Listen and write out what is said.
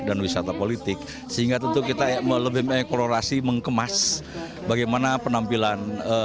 dan wisata politik sehingga tentu kita lebih mengeksplorasi mengkemas bagaimana penampilan